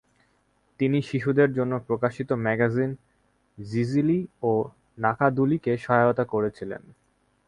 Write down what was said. তিনি শিশুদের জন্য প্রকাশিত ম্যাগাজিন জিজিলি ও নাকাদুলিকে সহায়তা করেছিলেন।